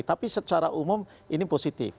tapi secara umum ini positif